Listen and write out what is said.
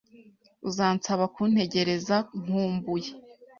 Uzansaba kuntegereza, nkumbuye?